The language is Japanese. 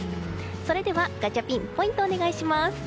それではガチャピンポイント、お願いします。